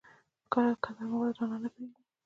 کدر مواد رڼا نه پرېږدي.